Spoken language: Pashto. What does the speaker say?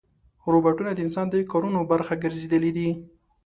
روباټونه د انسان د کارونو برخه ګرځېدلي دي.